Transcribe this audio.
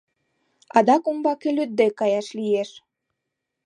Адак умбаке лӱдде каяш лиеш.